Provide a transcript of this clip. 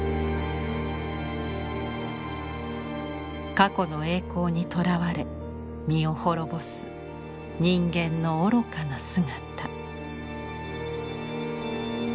過去の栄光にとらわれ身を滅ぼす人間の愚かな姿。